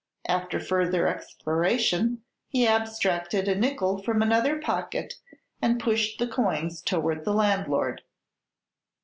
After further exploration he abstracted a nickel from another pocket and pushed the coins toward the landlord.